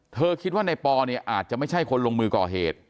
คิดว่าในปอเนี่ยอาจจะไม่ใช่คนลงมือก่อเหตุ